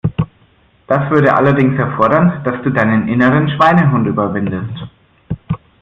Das würde allerdings erfordern, dass du deinen inneren Schweinehund überwindest.